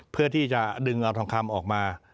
เพื่อที่จะดึงอวทคออกมา